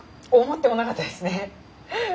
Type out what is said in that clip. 思ってもなかったですね。